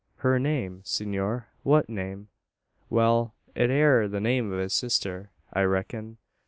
"Her name! Senor, what name?" "Wal, it air the name o' his sister, I reck'n.